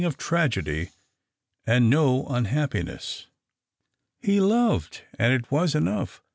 of tragedy and no unhappiness. He loved, and it was enough.